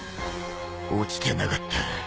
落ちてなかった。